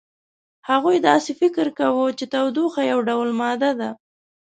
هغوی داسې فکر کاوه چې تودوخه یو ډول ماده ده.